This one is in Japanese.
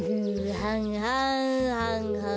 はんはんはんはん。